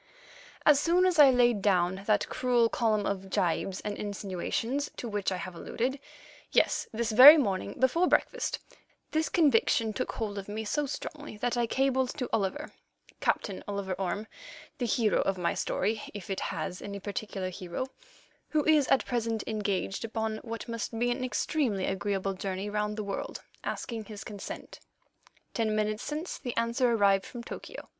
As soon as I laid down that cruel column of gibes and insinuations to which I have alluded—yes, this very morning, before breakfast, this conviction took hold of me so strongly that I cabled to Oliver, Captain Oliver Orme, the hero of my history, if it has any particular hero, who is at present engaged upon what must be an extremely agreeable journey round the world—asking his consent. Ten minutes since the answer arrived from Tokyo.